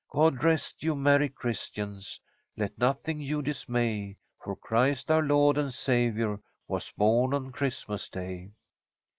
"God rest you, merry Christians, Let nothing you dismay, For Christ our Lord and Saviour Was born on Christmas Day."